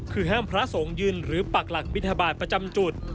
คือห้ามพระสงฆ์ยืนหรือปักหลักบิณฑบาตประจำจุด